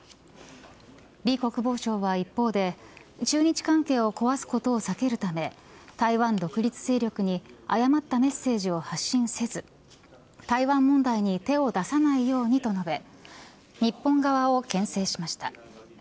李国防相は一方で中日関係を壊すことを避けるため台湾独立勢力に誤ったメッセージを発信せず台湾問題に手を出さないようにと述べ日本側をけん制しました。